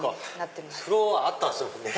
フロアあったんですもんね。